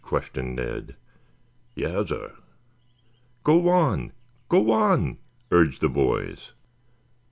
questioned Ned. "Yassir." "Go on, go on," urged the boys.